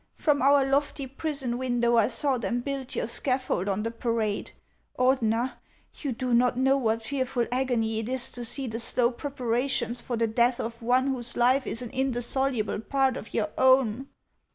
From our lofty prison window I saw them build your scaffold on the parade. Ordener, you do not know what fearful agony it is to see the slow preparations for the death of one whose life is an indissoluble part of your own